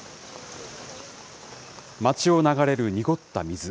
町を流れる濁った水。